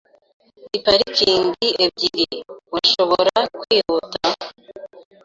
Ndi parikingi ebyiri .Urashobora kwihuta?